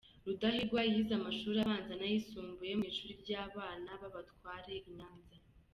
Rudahigwa yize amashuri abanza n’ayisumbuye mu ishuri ry’abana b’abatware i Nyanza.